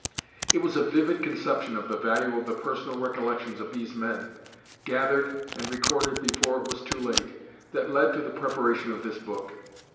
It was a vivid conception of the value of the personal recollections of these men, gathered and recorded before it was too late, that led to the preparation of this book.